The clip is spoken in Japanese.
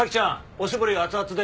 おしぼり熱々で。